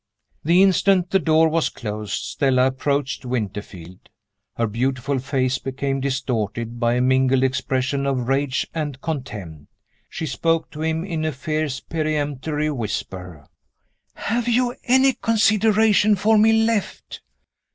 The instant the door was closed, Stella approached Winterfield. Her beautiful face became distorted by a mingled expression of rage and contempt. She spoke to him in a fierce peremptory whisper. "Have you any consideration for me left?"